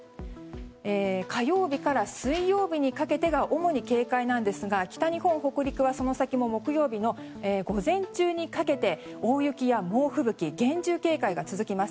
火曜日から水曜日にかけてが主に警戒なんですが北日本、北陸はその先の木曜日の午前中にかけて大雪や猛吹雪に厳重警戒が続きます。